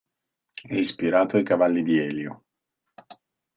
È ispirato ai cavalli di Elio.